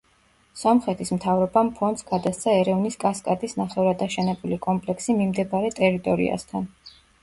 სომხეთის მთავრობამ ფონდს გადასცა ერევნის კასკადის ნახევრად აშენებული კომპლექსი მიმდებარე ტერიტორიასთან.